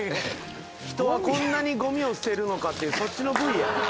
「ヒトはこんなにゴミを捨てるのか」っていうそっちのＶＴＲや。